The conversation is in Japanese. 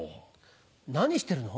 何してるの？